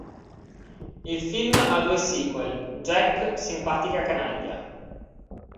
Il film ha due sequel, "Jack simpatica canaglia!!